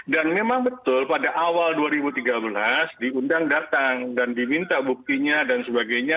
dan memang betul pada awal dua ribu tiga belas diundang datang dan diminta buktinya dan sebagainya